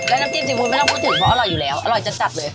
แล้วน้ำจิ้มซีฟู้ดไม่ต้องพูดถึงเพราะอร่อยอยู่แล้วอร่อยจะจัดเลย